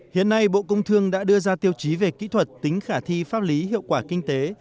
hiện nay bộ công thương đã đưa ra tiêu chí về kỹ thuật tính khả thi pháp lý hiệu quả kinh tế